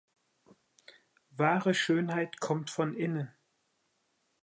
Wahre Schönheit kommt von innen.